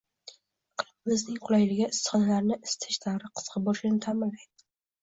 Iqlimimizning qulayligi issiqxonalarni isitish davri qisqa bo‘lishini ta’minlaydi